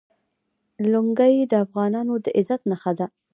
لنګۍ د افغانانو د عزت نښه ده.